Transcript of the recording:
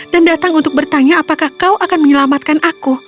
dan datang untuk bertanya apakah kau akan menyelamatkan aku